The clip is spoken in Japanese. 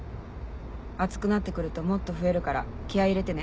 暑くなって来るともっと増えるから気合入れてね。